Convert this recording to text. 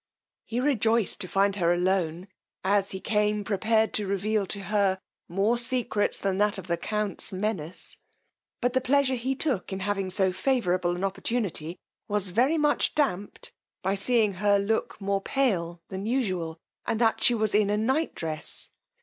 He rejoiced to find her alone, as he came prepared to reveal to her more secrets than that of the count's menace; but the pleasure he took in having so favourable an opportunity was very much damped, by seeing her look more pale than usual, and that she was in a night dress.